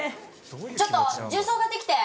ちょっと重曹買ってきて。